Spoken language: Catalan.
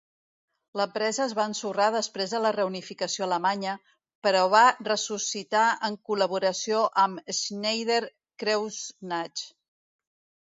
L'empresa es va ensorrar després de la reunificació alemanya, però va ressuscitar en col·laboració amb Schneider Kreuznach.